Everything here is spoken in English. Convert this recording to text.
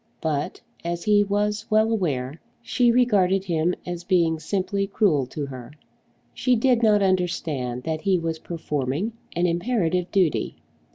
But, as he was well aware, she regarded him as being simply cruel to her. She did not understand that he was performing an imperative duty.